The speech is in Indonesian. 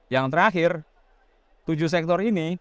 yang terakhir tujuh sektor ini